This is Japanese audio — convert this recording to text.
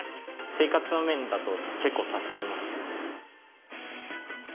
生活の面だと結構助かります。